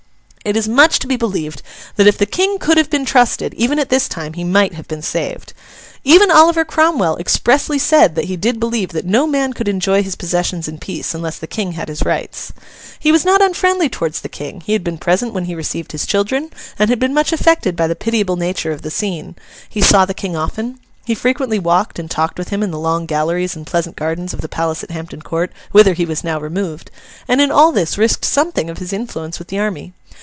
It is much to be believed that if the King could have been trusted, even at this time, he might have been saved. Even Oliver Cromwell expressly said that he did believe that no man could enjoy his possessions in peace, unless the King had his rights. He was not unfriendly towards the King; he had been present when he received his children, and had been much affected by the pitiable nature of the scene; he saw the King often; he frequently walked and talked with him in the long galleries and pleasant gardens of the Palace at Hampton Court, whither he was now removed; and in all this risked something of his influence with the army.